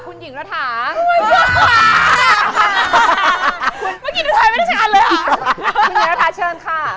คุณหญิงรฐานเชิญค่า